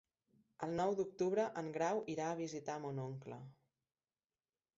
El nou d'octubre en Grau irà a visitar mon oncle.